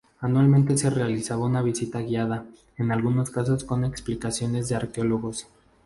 Anualmente se realizaba una visita guiada, en algunos casos con explicaciones de arqueólogos.